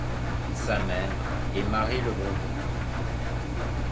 Sa mère est Marie Le Breton.